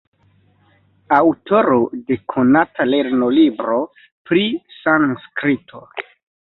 Aŭtoro de konata lernolibro pri sanskrito.